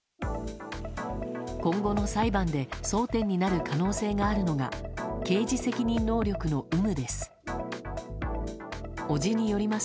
今後の裁判で争点になる可能性があるのが刑事責任能力の有無です。